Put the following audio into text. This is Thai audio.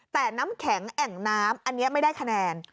แต่น้ำแข็งแอ่งน้ำอันนี้ไม่ได้คะแนน